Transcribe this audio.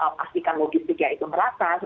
pastikan logistiknya itu merata